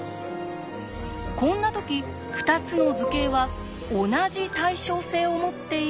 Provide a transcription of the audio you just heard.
こんな時２つの図形は同じ対称性を持っているというのです。